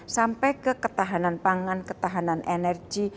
sampai ke ketahanan pangan ketahanan energi